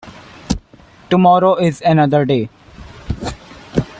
Tomorrow is another day.